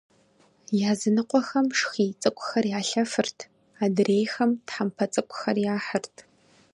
Языныкъуэхэм шхий цӏыкӏухэр ялъэфырт, адрейхэм тхьэмпэ цӏыкӏухэр яхьырт.